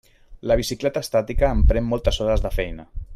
La bicicleta estàtica em pren moltes hores de feina.